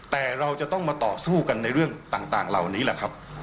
แต่เราจะต้องมาต่อสู้กันในเรื่องต่างเหล่านี้แหละครับ